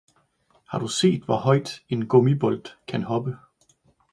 Har du set hvor højt en gummibold kan hoppe